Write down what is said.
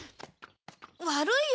悪いよ